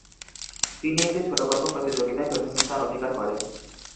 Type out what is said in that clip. তিনি একটি ছোটোগল্প প্রতিযোগিতায় প্রথম স্থান অধিকার করেন।